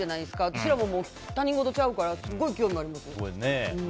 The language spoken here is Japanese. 私らも他人事ちゃうからすごい興味あります。